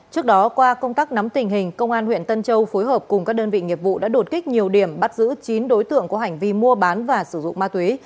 trước đó qua công tác nắm tình hình công an huyện tân châu phối hợp cùng các đơn vị nghiệp vụ đã đột kích nhiều điểm bắt giữ chín đối tượng có hành vi mua bán và sử dụng ma túy